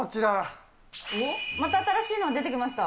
また新しいのが出てきました。